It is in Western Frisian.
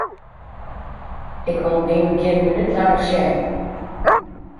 Ik wol dyn gjin minút langer sjen!